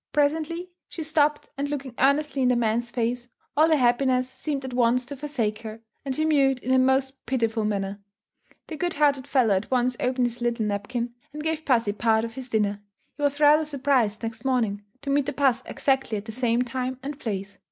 Presently, she stopped and looking earnestly in the man's face, all her happiness seemed at once to forsake her and she mewed in a most pitiful manner. The good hearted fellow at once opened his little napkin, and gave pussy part of his dinner. He was rather surprised next morning, to meet the puss exactly at the same time and place.